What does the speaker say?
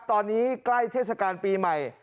ตอนนี้ใกล้เทศกาลปีใหม่